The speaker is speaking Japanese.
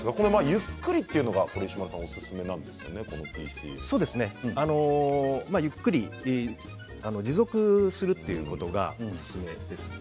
ゆっくりというのがゆっくり持続するということがおすすめです。